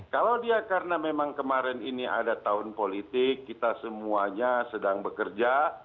kalau dia karena memang kemarin ini ada tahun politik kita semuanya sedang bekerja